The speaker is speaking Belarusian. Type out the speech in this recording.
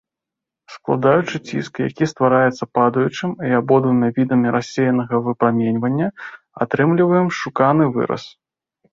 Складаючы ціск, які ствараецца падаючым і абодвума відамі рассеянага выпраменьвання, атрымліваем шуканы выраз.